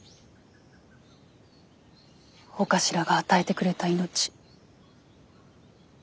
お頭が与えてくれた命。